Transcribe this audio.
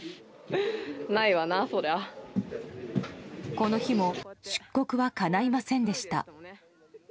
この日も出国はかないませんでした。